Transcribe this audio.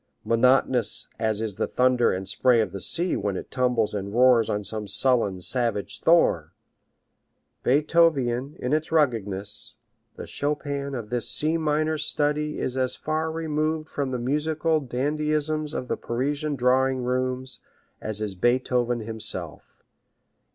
Monotonous as is the thunder and spray of the sea when it tumbles and roars on some sullen, savage shore. Beethov ian, in its ruggedness, the Chopin of this C minor study is as far removed from the musical dandyisms of the Parisian drawing rooms as is Beethoven himself.